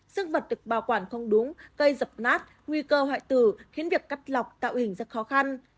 sức vật được bảo quản không đúng gây dập nát nguy cơ hoại tử khiến việc cắt lọc tạo hình rất khó khăn